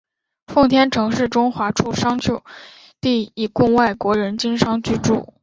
奉天城市中划出商埠地以供外国人经商居住。